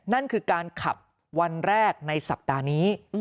นั่นคือการขับวันแรกในสัปดาห์นี้